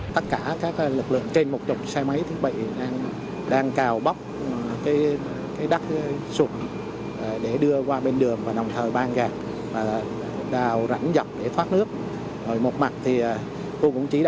tất cả các lực lượng trên một chục xe máy thiết bị đang cào bóc đất sụp để đưa qua bên đường và nồng thời ban gạc và đào rãnh dọc để thoát nước